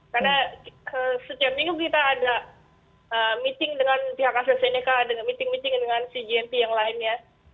karena setiap minggu kita ada meeting dengan pihak asys seneca meeting meeting dengan si gmp yang lainnya